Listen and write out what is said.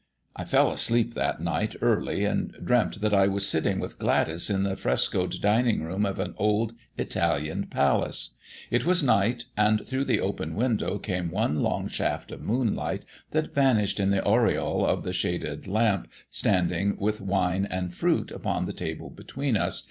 I fell asleep that night early, and dreamt that I was sitting with Gladys in the frescoed dining room of an old Italian palace. It was night, and through the open window came one long shaft of moonlight, that vanished in the aureole of the shaded lamp standing with wine and fruit upon the table between us.